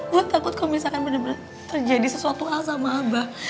gue takut kalau misalkan benar benar terjadi sesuatu hal sama abah